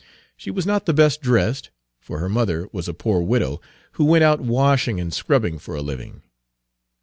She was not the best dressed, for her mother was a poor widow, who went out washing and scrubbing for a living.